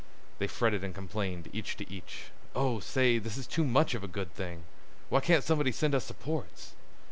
They fretted and complained each to each. "Oh, say, this is too much of a good thing! Why can't somebody send us supports?"